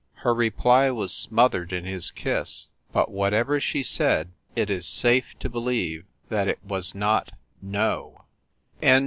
Her reply was smothered in his kiss; but what ever she said it is safe to believe that it was not "No."